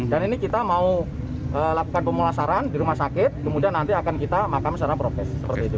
dan ini kita mau lakukan pemulasaran di rumah sakit kemudian nanti akan kita makan secara progres